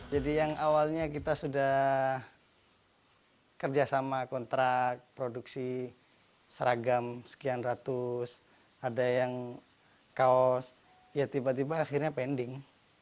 jadi yang awalnya kita sudah kerjasama kontrak produksi seragam sekian ratus ada yang kaos ya tiba tiba akhirnya pending